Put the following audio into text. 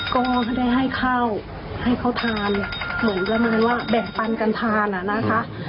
ก็ไม่ได้ให้ข้าวให้เขาทานเหมือนประมาณว่าแบ่งปันกันทานอ่ะนะคะ